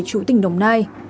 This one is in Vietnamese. chủ tỉnh đồng nai